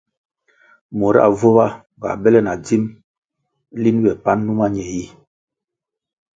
Mura vuba ga bele na dzim lin ywe pan numa ñe yi.